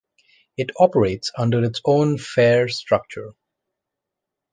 It operates under its own fare structure.